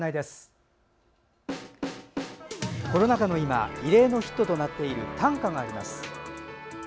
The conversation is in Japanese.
コロナ禍の今異例のヒットとなっている短歌があります。